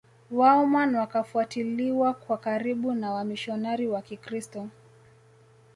waoman wakafuatiliwa kwa karibu na wamishionari wa kikristo